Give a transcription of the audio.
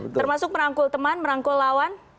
termasuk merangkul teman merangkul lawan